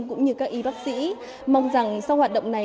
cũng như các y bác sĩ mong rằng sau hoạt động này